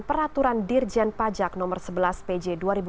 peraturan dirjen pajak nomor sebelas pj dua ribu enam belas